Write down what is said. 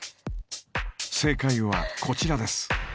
正解はこちらです。